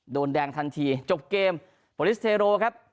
โดนแดงทันทีจบเกมโปรลิสเทโรครับ